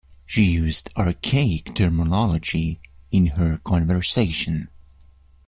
She used archaic terminology in her conversation.